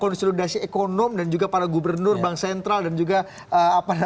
konsolidasi ekonom dan juga para gubernur bank sentral dan juga apa namanya